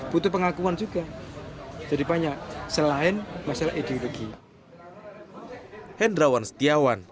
butuh pengakuan juga jadi banyak selain masalah ideologi